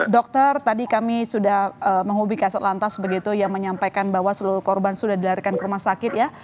dokter tadi kami sudah menghubi kasat lantas begitu yang menyampaikan bahwa seluruh korban sudah dilarikan ke rumah sakit ya